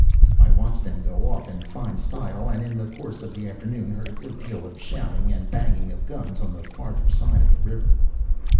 I watched them go off in fine style, and in the course of the afternoon heard a good deal of shouting and banging of guns on the farther side of the river.